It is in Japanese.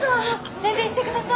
宣伝してください。